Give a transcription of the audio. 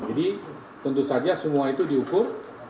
tentu saja semua itu diukur